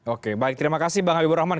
oke baik terima kasih bang habibur rahman